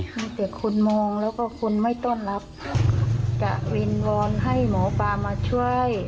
มีแต่คนมองแล้วก็คนไม่ต้อนรับจะวิงวอนให้หมอปลามาช่วย